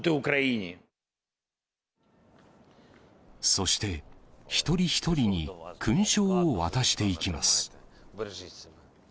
そして、一人一人に勲章を渡していきます。